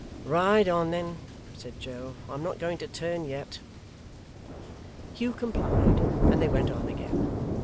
'Ride on then,' said Joe. 'I'm not going to turn yet.' Hugh complied, and they went on again.